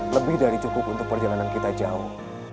lebih dari cukup untuk perjalanan kita jauh